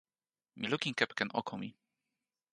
mi lukin kepeken oko mi.